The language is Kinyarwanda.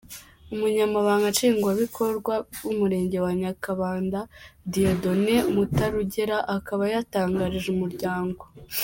Umunyamabanga Nshingwabikorwa w’Umurenge wa Nyakabanda, Dieudonne Mutarugera, akaba yatangarije Umuryango.